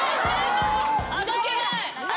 あどけない。